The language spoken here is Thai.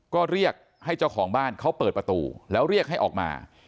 ก็เรียกให้เจ้าของบ้านเขาเปิดประตูแล้วเรียกให้ออกมา